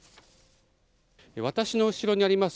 私の後ろにあります